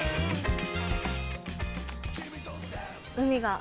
海が。